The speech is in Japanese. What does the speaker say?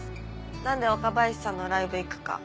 何で若林さんのライブ行くか。